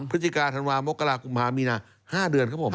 พฤศจิกาธันวามกรากุมภามีนา๕เดือนครับผม